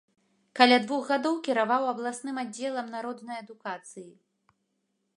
Каля двух гадоў кіраваў абласным аддзелам народнай адукацыі.